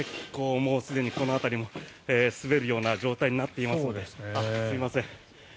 もうすでにこの辺りも滑るような状態になっていますので。